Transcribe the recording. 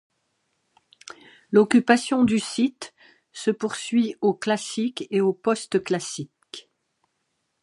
L'occupation du site se poursuit au Classique et au Postclassique.